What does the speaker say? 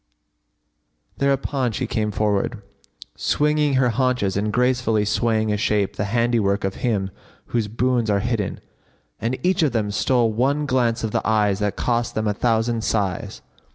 "[FN#59] Thereupon she came forward, swinging her haunches and gracefully swaying a shape the handiwork of Him whose boons are hidden; and each of them stole one glance of the eyes that cost them a thousand sighs.